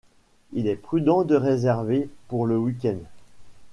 Il est prudent de réserver pour le week-end.